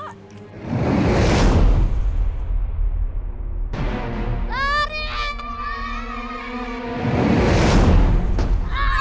orang garuk garuk kepala